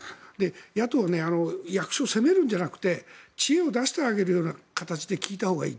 野党、役所を責めるんじゃなくて知恵を出してあげるような形で聞いたほうがいい。